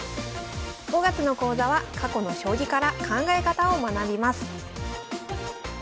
５月の講座は過去の将棋から考え方を学びます